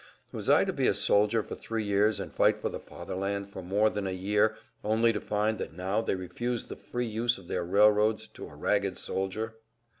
Was I to be a soldier for three years and fight for the Fatherland for more than a year only to find that now they refused the free use of their railroads to a ragged soldier?